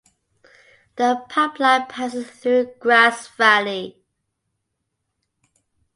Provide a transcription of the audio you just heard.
The pipeline passes through Grass Valley.